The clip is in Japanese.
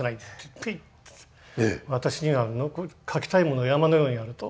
「私には書きたいものが山のようにある」と。